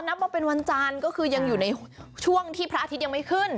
นับว่าเป็นวันจันทร์ก็คือยังอยู่ในช่วงที่พระอาทิตย์ยังไม่ขึ้น